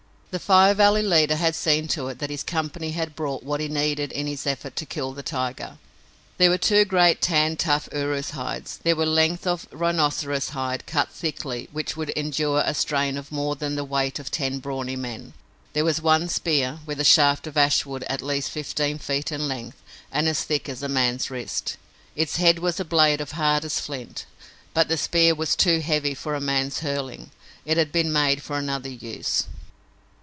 The Fire Valley leader had seen to it that his company had brought what he needed in his effort to kill the tiger. There were two great tanned, tough urus hides. There were lengths of rhinoceros hide, cut thickly, which would endure a strain of more than the weight of ten brawny men. There was one spear, with a shaft of ash wood at least fifteen feet in length and as thick as a man's wrist. Its head was a blade of hardest flint, but the spear was too heavy for a man's hurling. It had been made for another use.